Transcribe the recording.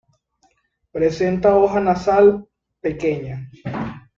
Presenta hoja nasal pequeña.